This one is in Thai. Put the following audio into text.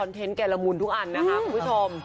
เทนต์แกละมุนทุกอันนะคะคุณผู้ชม